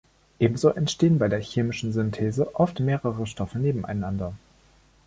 Ebenso entstehen bei der chemischen Synthese oft mehrere Stoffe nebeneinander.